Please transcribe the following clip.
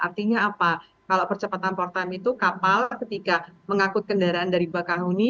artinya apa kalau percepatan port time itu kapal ketika mengangkut kendaraan dari bakahuni